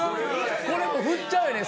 これ振っちゃうよね